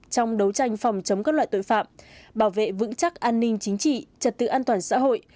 trong đấu tranh phòng chống các loại tội phạm bảo vệ vững chắc an ninh chính trị trật tự an toàn xã hội